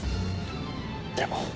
でも。